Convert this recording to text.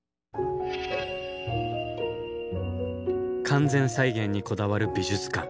完全再現にこだわる美術館。